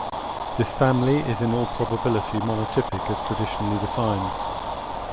This family is in all probability monotypic as traditionally defined.